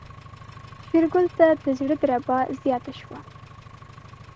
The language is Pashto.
شېرګل ته د زړه دربا زياته شوه.